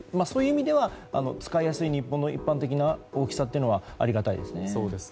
そういう意味では使いやすい日本の薬の一般的な大きさというのはありがたいですね。